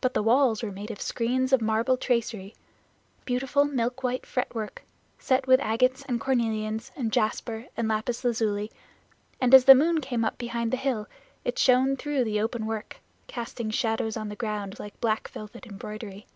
But the walls were made of screens of marble tracery beautiful milk white fretwork, set with agates and cornelians and jasper and lapis lazuli, and as the moon came up behind the hill it shone through the open work, casting shadows on the ground like black velvet embroidery.